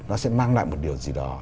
nó sẽ mang lại một điều gì đó